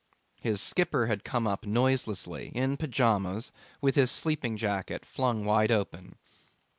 His skipper had come up noiselessly, in pyjamas and with his sleeping jacket flung wide open.